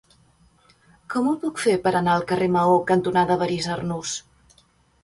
Com ho puc fer per anar al carrer Maó cantonada Evarist Arnús?